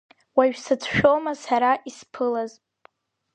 Уажә сацәшәома сара исԥылаз?